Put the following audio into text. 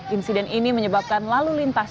insiden ini menyebabkan lalu lintas